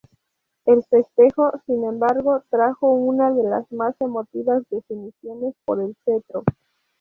El festejo, sin embargo, trajo una de las más emotivas definiciones por el cetro.